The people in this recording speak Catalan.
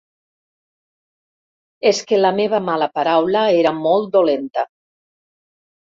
És que la meva mala paraula era molt dolenta.